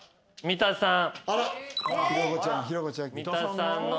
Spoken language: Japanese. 三田さんの。